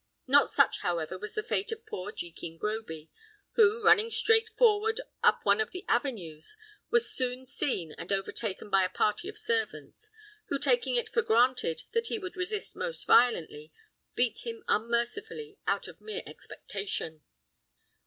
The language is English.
Not such, however, was the fate of poor Jekin Groby, who, running straight forward up one of the avenues, was soon seen and overtaken by a party of servants, who taking it for granted that he would resist most violently, beat him unmercifully out of mere expectation.